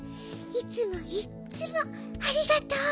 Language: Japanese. いつもいっつもありがとう！